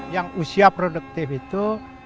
yang usia produktif itu